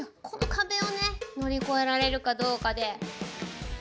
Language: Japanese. このかべをねのりこえられるかどうかで。